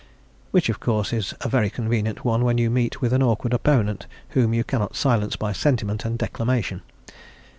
Which course is a very convenient one when you meet with an awkward opponent whom you cannot silence by sentiment and declamation.